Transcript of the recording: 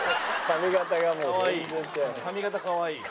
髪形かわいい。